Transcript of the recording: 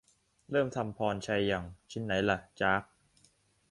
"เริ่มทำพรชัยยัง" ชิ้นไหนล่ะ ? จ๊าก